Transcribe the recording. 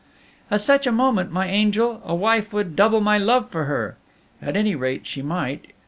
At such a moment, my angel, a wife would double my love for her at any rate, she might.